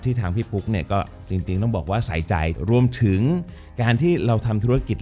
ทางพี่ปุ๊กเนี่ยก็จริงต้องบอกว่าใส่ใจรวมถึงการที่เราทำธุรกิจ